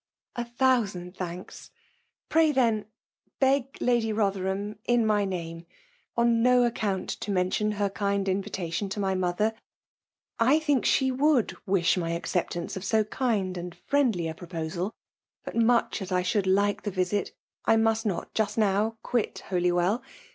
'•^ /'.A thousand thanks! — Pray, then> ha^ Lady Botherham, in my name, on no aceoUtit tp, mentioa her kind invitation to my mother ^I. think she ehou/cT wish my acceptanee of 'sOf Ifipd and friendly & proposal : but muoh* as i shuj^uld like the visit I must not just mr^ quif Holywell.